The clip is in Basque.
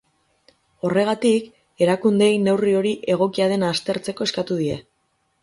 Horregatik, erakundeei neurri hori egokia den aztertzeko eskatu die.